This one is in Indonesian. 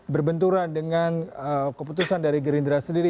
berbenturan dengan keputusan dari gerindra sendiri